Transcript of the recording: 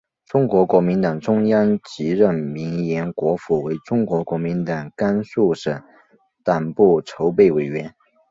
中国国民党中央即任命延国符为中国国民党甘肃省党部筹备委员。